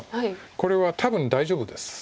これは多分大丈夫です。